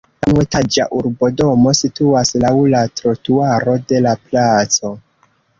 La unuetaĝa urbodomo situas laŭ la trotuaro de la placo.